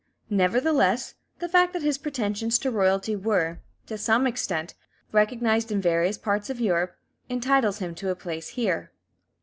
Nevertheless, the fact that his pretensions to royalty were, to some extent, recognized in various parts of Europe, entitles him to a place here.